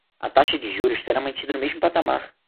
A taxa de juros será mantida no mesmo patamar